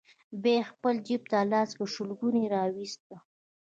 بيا يې خپل جيب ته لاس کړ، شلګون يې راوايست: